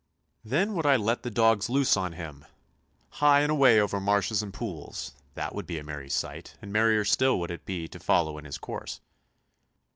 " Then would I let the dogs loose on him. Hie and away over marshes and pools; that would be a merry sight, and merrier still would it be to follow in his course."